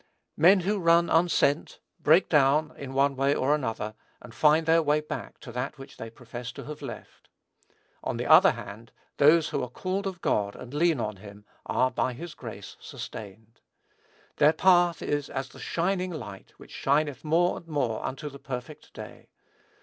Men who run unsent, break down, in one way or another, and find their way back to that which they profess to have left. On the other hand, those who are called of God, and lean on him, are, by his grace, sustained. "Their path is as the shining light, which shineth more and more unto the perfect day."